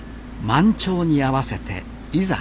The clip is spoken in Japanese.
満潮に合わせていざ